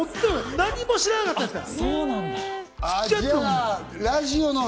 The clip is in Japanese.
何も知らなかったですから。